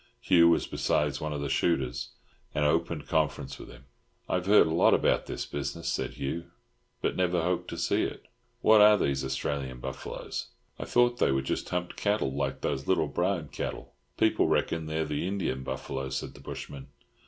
Hugh was beside one of the shooters, and opened conference with him. "I've heard a lot about this business," said Hugh, "but never hoped to see it. What are these Australian buffaloes? I thought they were just humped cattle like those little Brahmin cattle." "People reckon they're the Indian buffalo," said the bushman.